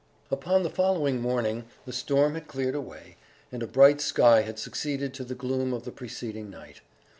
Upon the following morning the storm had cleared away, and a bright sky had succeeded to the gloom of the preceding night.